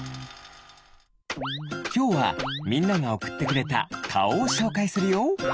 きょうはみんながおくってくれたかおをしょうかいするよ。